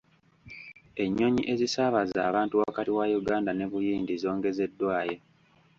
Ennyonyi ezisaabaza abantu wakati wa Uganda ne Buyindi zongezeddwayo.